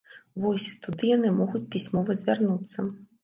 Вось, туды яны могуць пісьмова звярнуцца.